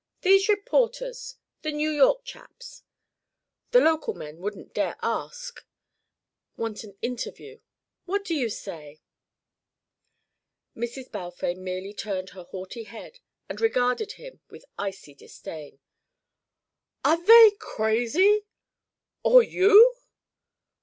"These reporters the New York chaps the local men wouldn't dare ask want an interview. What do you say?" Mrs. Balfame merely turned her haughty head and regarded him with icy disdain. "Are they crazy? Or you?"